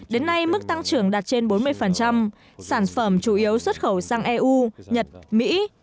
đến nay mức tăng trưởng đạt trên bốn mươi sản phẩm chủ yếu xuất khẩu sang eu nhật mỹ